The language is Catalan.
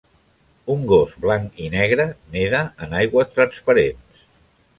Un gos blanc i negre neda en aigües transparents.